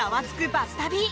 バス旅」。